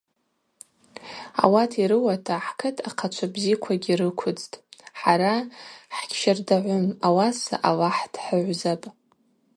Ауат йрыуата хӏкыт ахъачва бзиквагьи рыквдзтӏ, хӏара хӏгьщардагӏвым, ауаса Аллахӏ дхӏыгӏвзапӏ.